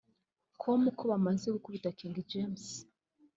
com ko bamaze gukubita King James